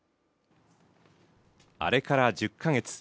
あれから１０か月。